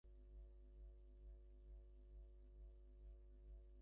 মহেন্দ্রের মুখ দেখিয়াই আশা উৎকণ্ঠিত হইয়া উঠিল।